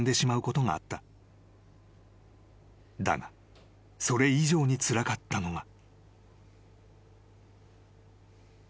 ［だがそれ以上につらかったのが］